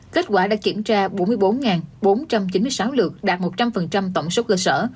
kết quả đã kiểm tra bốn mươi bốn bốn trăm chín mươi sáu lượt đạt một trăm linh tổng số cơ sở